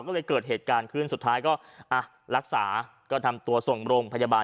ก็เลยเกิดเหตุการณ์ขึ้นสุดท้ายก็อ่ะรักษาก็นำตัวส่งโรงพยาบาล